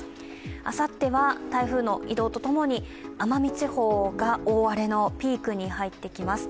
あさっては台風の移動とともに奄美地方が大荒れのピークに入ってきます。